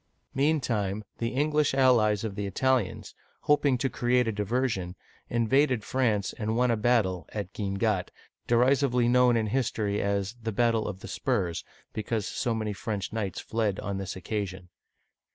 Meantime, the English allies of the Italians, hoping to create a diversion, invaded France and won a battle (at Digitized by Google 224 OLD FRANCE Guinegate), derisively known in history as " The Battle of the Spurs," because so many French knights fled on this occasion.